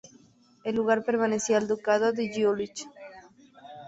El lugar pertenecía al ducado de Jülich.